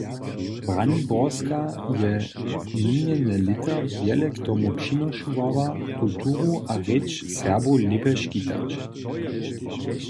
Braniborska je minjene lěta wjele k tomu přinošowała, kulturu a rěč Serbow lěpje škitać.